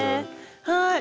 はい。